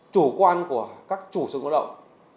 chủ quan của các chủ sử dụng lao động